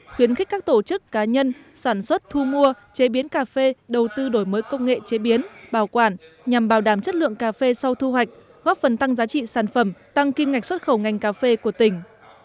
khuyến khích các tổ chức cá nhân sản xuất thu mua chế biến cà phê đầu tư đổi mới công nghệ chế biến bảo quản nhằm bảo đảm chất lượng cà phê sau thu hoạch góp phần tăng giá trị sản phẩm tăng kim ngạch xuất khẩu ngành cà phê của tỉnh